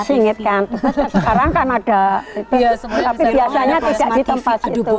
sekarang kan ada itu tapi biasanya tidak di tempat itu